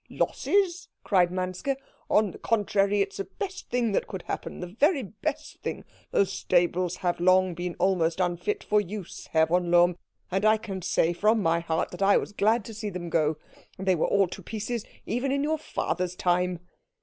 "Losses!" cried Manske. "On the contrary, it is the best thing that could happen the very best thing. Those stables have long been almost unfit for use, Herr von Lohm, and I can say from my heart that I was glad to see them go. They were all to pieces even in your father's time."